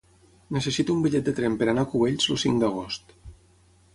Necessito un bitllet de tren per anar a Cubells el cinc d'agost.